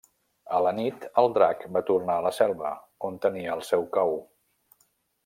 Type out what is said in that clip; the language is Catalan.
A la nit, el drac va tornar a la selva, on tenia el seu cau.